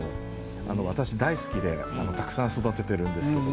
私、大好きでたくさん育てているんです。